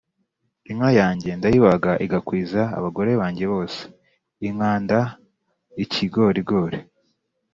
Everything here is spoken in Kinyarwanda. Inka yanjye ndayibaga igakwiza abagore banjye bose inkanda-Ikigorigori.